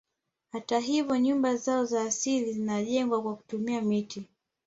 Hata hivyo nyumba zao za asili zinajengwa kwa kutumia miti